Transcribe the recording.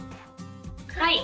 はい。